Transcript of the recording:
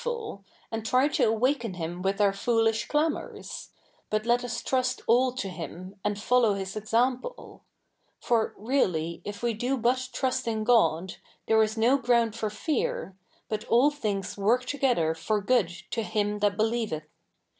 ful, and t?y 86 THE NEW REPUBLIC [bk. ii to awaken Him ivith our foolish clamours ; but let tis trust all to him, andfolloiv His example. For really, if we do but trust in God, there is no ground for fear, but ^^ all things work together for good to him that believeth^^ A?